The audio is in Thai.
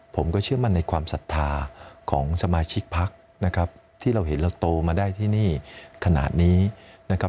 ผมก็เชื่อมั่นในความศรัทธาของสมาชิกพักนะครับที่เราเห็นเราโตมาได้ที่นี่ขนาดนี้นะครับ